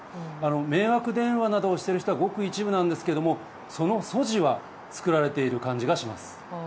迷惑電話などをしている人はごく一部ですがその素地は作られている感じはします。